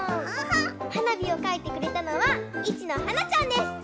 はなびをかいてくれたのはいちのはなちゃんです。